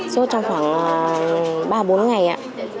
sốt trong khoảng ba bốn ngày ạ